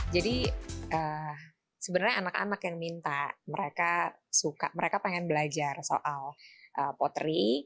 jadi sebenarnya anak anak yang minta mereka suka mereka pengen belajar soal pottery